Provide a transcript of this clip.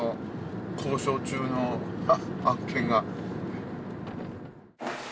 交渉中の案件が。